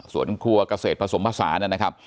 สวนครัวกระเศษผสมผสานั่นนะครับ